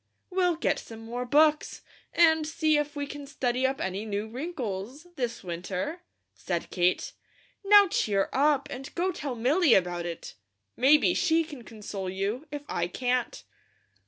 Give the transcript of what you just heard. "We'll get some more books, and see if we can study up any new wrinkles, this winter," said Kate. "Now cheer up, and go tell Milly about it. Maybe she can console you, if I can't."